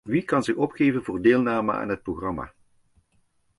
Wie kan zich opgeven voor deelname aan het programma?